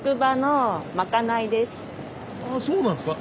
そうなんですか。